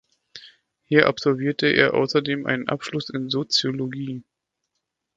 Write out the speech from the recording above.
Hier absolvierte er außerdem einen Abschluss in Soziologie.